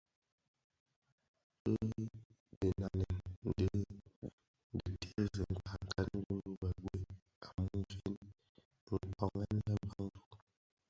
Bi dhinanèn di dhi tèèzi nkankan wu bi gued i mumfin mkpoňèn lè Bantu.